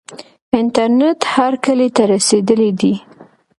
انټرنیټ هر کلي ته رسیدلی دی.